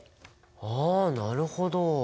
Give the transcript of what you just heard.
ああなるほど。